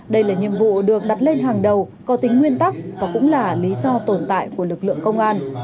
đây là nhiệm vụ được đặt lên hàng đầu có tính nguyên tắc và cũng là lý do tồn tại của lực lượng công an